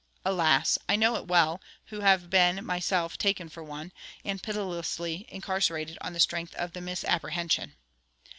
Alas! I know it well, who have been myself taken for one, and pitilessly incarcerated on the strength of the misapprehension.